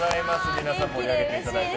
皆さん盛り上げていただいて。